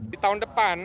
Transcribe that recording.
di tahun depan